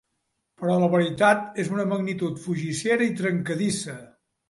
Però la veritat és una magnitud fugissera i trencadissa.